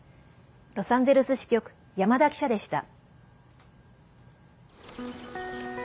ロサンゼルス支局山田記者でした。